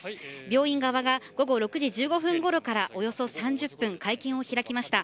病院側が午後６時１５分ごろからおよそ３０分会見を開きました。